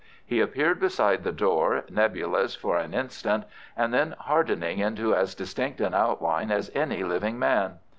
He appeared beside the door, nebulous for an instant, and then hardening into as distinct an outline as any living man.